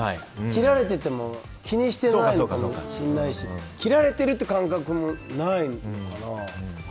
切られてても気にしてないのかもしれないし切られているっていう感覚もないのかな。